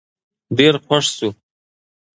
ډېر خوښ شو